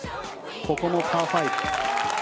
ここもパー５。